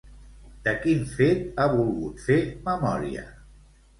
De quin fet ha volgut fer memòria?